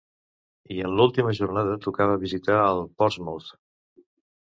I en l'última jornada tocava visitar al Portsmouth.